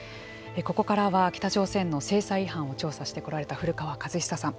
ここからは北朝鮮の制裁違反を調査してこられた古川勝久さん